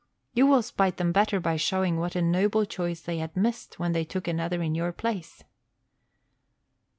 You will spite them better by showing what a noble choice they had missed when they took another in your place.